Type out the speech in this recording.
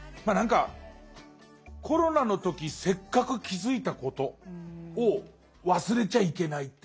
何かコロナの時せっかく気付いたことを忘れちゃいけないっていう。